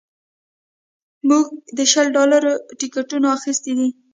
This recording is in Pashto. موږ د شل ډالرو ټکټونه اخیستي دي